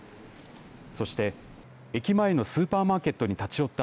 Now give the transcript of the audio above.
そして駅前のスーパーマーケットに立ち寄った